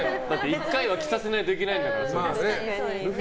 １回は着させないといけないから。